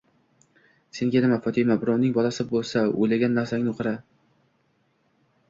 Senga nima, Fotima? Birovning bolasi bo'lsa, o'ylagan narsangni qara.